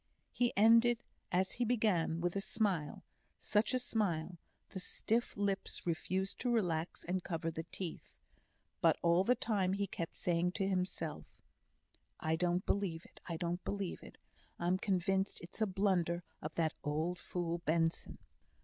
He ended, as he began, with a smile such a smile! the stiff lips refused to relax and cover the teeth. But all the time he kept saying to himself: "I don't believe it I don't believe it. I'm convinced it's a blunder of that old fool Benson."